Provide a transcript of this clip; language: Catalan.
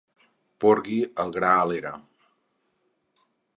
Porgui el gra a l'era.